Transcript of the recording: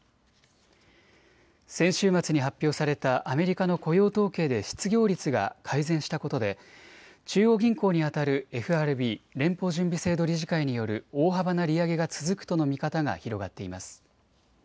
先週末に発表されたアメリカの雇用統計で失業率が改善したことで中央銀行にあたるＦＲＢ・連邦準備制度理事会による大幅な利上げが続くとの見方が広がっています。